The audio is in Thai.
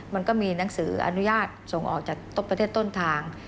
มันก็มีหนังสืออนุญาตส่งออกจากประเทศต้นทาง